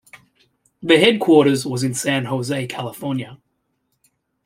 The headquarters was in San Jose, California.